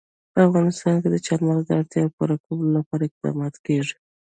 په افغانستان کې د چار مغز د اړتیاوو پوره کولو لپاره اقدامات کېږي.